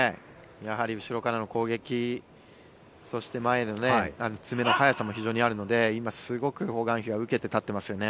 やはり後ろからの攻撃そして前への詰めの速さも非常にあるので今、すごくホ・グァンヒは受けてたっていますよね。